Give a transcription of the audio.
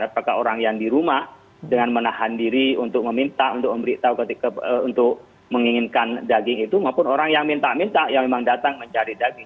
apakah orang yang di rumah dengan menahan diri untuk meminta untuk memberitahu ketika untuk menginginkan daging itu maupun orang yang minta minta yang memang datang mencari daging